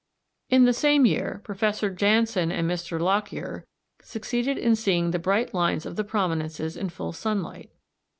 In the same year Professor Jannsen and Mr. Lockyer succeeded in seeing the bright lines of the prominences in full sunlight.